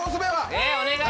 えお願い。